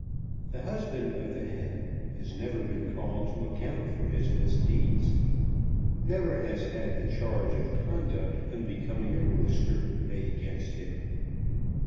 The husband of the hen has never been called to account for his misdeeds, never has had the charge of conduct unbecoming a rooster, made against nim.